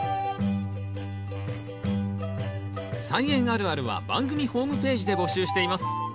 「菜園あるある」は番組ホームページで募集しています。